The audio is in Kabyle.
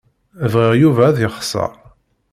Bɣiɣ Yuba ad yexṣer.